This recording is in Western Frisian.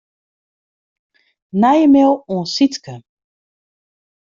Nije mail oan Sytske.